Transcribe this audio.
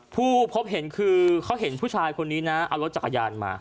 ผู้พบเห็นคือเขาเห็นผู้ชายคนนี้นะเอารถจักรยานมา